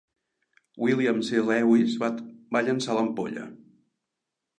William C Lewis va llançar l'ampolla.